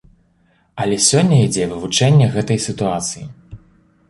Але сёння ідзе вывучэнне гэтай сітуацыі.